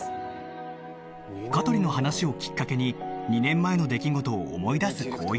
香取の話をきっかけに２年前の出来事を思い出す紘一